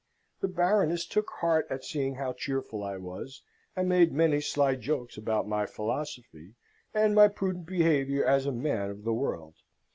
The Baroness took heart at seeing how cheerful I was, and made many sly jokes about my philosophy, and my prudent behaviour as a man of the world.